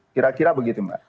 kira kira begitu mbak